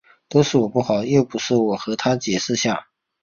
都是我不好，要不要我和她解释下？